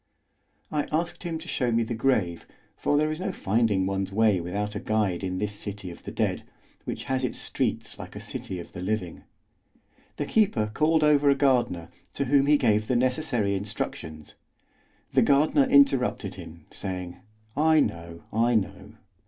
I asked him to show me the grave, for there is no finding one's way without a guide in this city of the dead, which has its streets like a city of the living. The keeper called over a gardener, to whom he gave the necessary instructions; the gardener interrupted him, saying: "I know, I know.